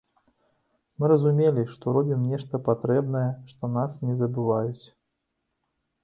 Мы разумелі, што робім нешта патрэбнае, што нас не забываюць.